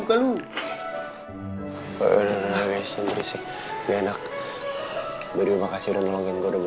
queeran saya tidak lagi sekedar alumium